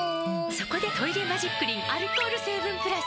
そこで「トイレマジックリン」アルコール成分プラス！